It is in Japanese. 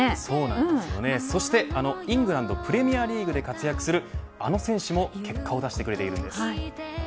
イングランドプレミアリーグで活躍するあの選手も結果を出してきているんです。